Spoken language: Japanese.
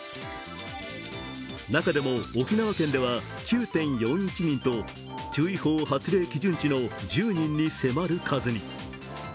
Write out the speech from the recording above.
中でも、沖縄県では９．４１人と注意報発令基準値の１０人に迫る数に。